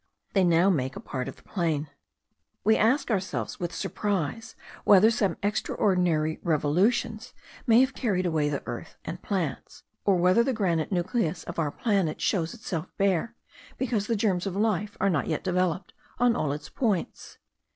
They now make a part of the plain. We ask ourselves with surprise, whether some extraordinary revolutions may have carried away the earth and plants; or whether the granite nucleus of our planet shows itself bare, because the germs of life are not yet developed on all its points.